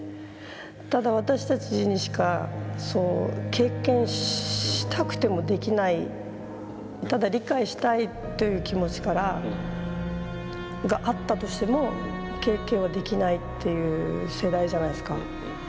ただ私たちにしかそう経験したくてもできないただ理解したいという気持ちからがあったとしても経験はできないっていう世代じゃないですか。